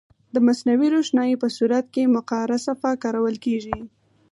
د مصنوعي روښنایي په صورت کې مقعره صفحه کارول کیږي.